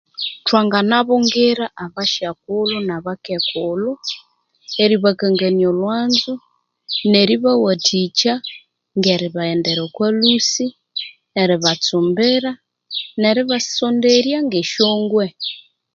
Thwanabungira abasyakulhu na bakekulhu eriba kangania olhwanzo neri bawathikya neribaghendera okwa lhusi, eribatsumbira neri basonderya ngesyongwe